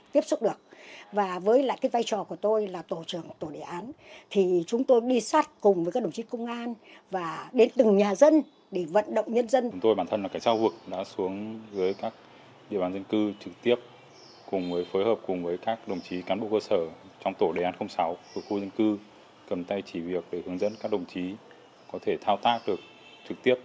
tổ đề án sáu của khu dân cư cầm tay chỉ việc để hướng dẫn các đồng chí có thể thao tác được trực tiếp